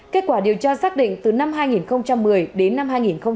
kết quả điều tra xác định từ năm hai nghìn một mươi đến năm hai nghìn hai mươi